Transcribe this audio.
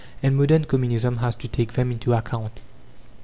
And modern Communism has to take them into account.